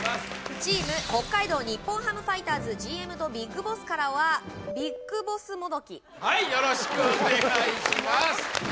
チーム北海道日本ハムファイターズＧＭとビッグボスからはビッグボスもどきはいよろしくお願いします